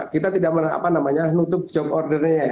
kita tidak menutup job ordernya ya